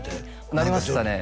なりましたね